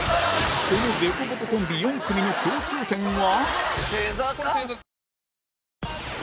この凸凹コンビ４組の共通点は？